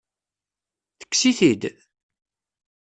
Tekkes-it-id?